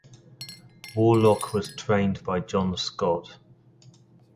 Warlock was trained by John Scott.